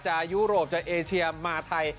จะอิอินโรปจะเอเชียมาไทย